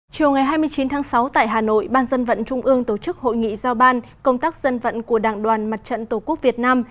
chiều ngày hai mươi chín tháng sáu tại hà nội ban dân vận trung ương tổ chức hội nghị giao ban công tác dân vận của đảng đoàn mặt trận tổ quốc việt nam